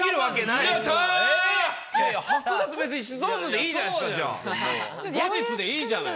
いや、別に剥奪、別にシソンヌでいいじゃないですか、じゃあ。